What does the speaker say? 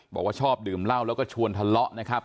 บอกว่าชอบดื่มเหล้าแล้วก็ชวนทะเลาะนะครับ